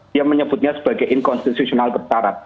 dia menyebutnya sebagai inkonstitusional bersarat